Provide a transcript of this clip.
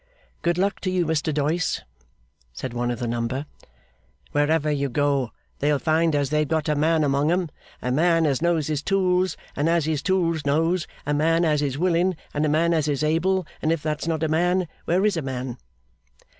'Good luck to you, Mr Doyce!' said one of the number. 'Wherever you go, they'll find as they've got a man among 'em, a man as knows his tools and as his tools knows, a man as is willing and a man as is able, and if that's not a man, where is a man!